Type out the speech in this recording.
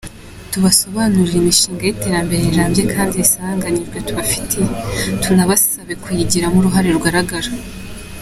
tubasobanurire imishinga y’iterambere rirambye kandi risaranganyijwe tubafitiye, tunabasabe kuyigiramo uruhare rugaragara.